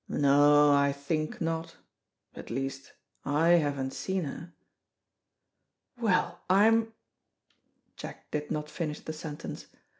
"No I think not; at least I haven't seen her." "Well, I'm " Jack did not finish the sentence.